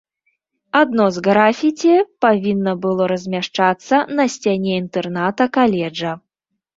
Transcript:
Адно з графіці павінна было размяшчацца на сцяне інтэрната каледжа.